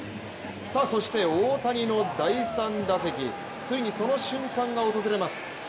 そして大谷の第３打席、ついにその瞬間が訪れます。